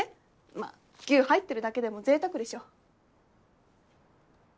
まぁ牛入ってるだけでも贅沢でしょ。